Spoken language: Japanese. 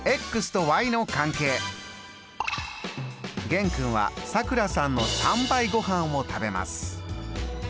玄君はさくらさんの３倍ごはんを食べます。